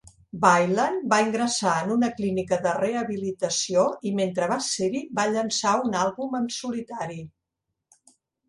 Weiland va ingressar en una clínica de rehabilitació i mentre va ser-hi va llançar un àlbum en solitari.